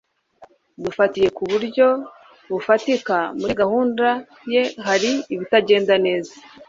dufatiye ku buryo bufatika, muri gahunda ye hari ibitagenda neza